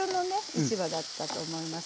市場だったと思います。